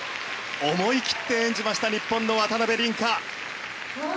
思い切って演じました日本の渡辺倫果。